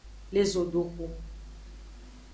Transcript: Le zodoxu.